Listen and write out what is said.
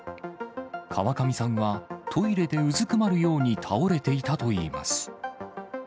川上さんはトイレでうずくまるように倒れていたといいます。